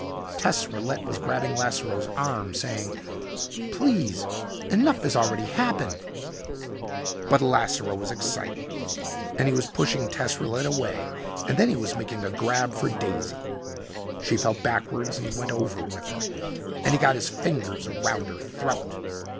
Tess Rillette was grabbing Lasseroe's arm, saying, "Please enough has already happened " But Lasseroe was excited and he was pushing Tess Rillette away and then he was making a grab for Daisy. She fell backward and he went over with her and he got his fingers around her throat.